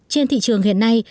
trên thị trường hiện nay